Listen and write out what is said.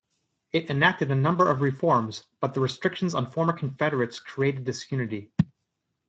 It enacted a number of reforms, but the restrictions on former Confederates created disunity.